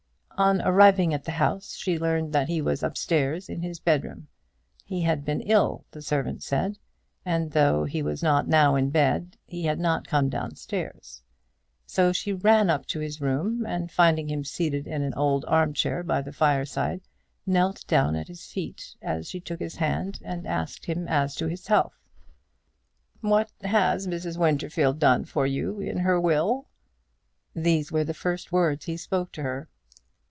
On arriving at the house she learned that he was up stairs in his bedroom. He had been ill, the servant said, and though he was not now in bed, he had not come down stairs. So she ran up to his room, and finding him seated in an old arm chair by the fire side, knelt down at his feet, as she took his hand and asked him as to his health. "What has Mrs. Winterfield done for you in her will?" These were the first words he spoke to her.